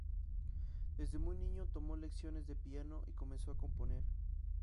Desde muy niño tomó lecciones de piano y comenzó a componer.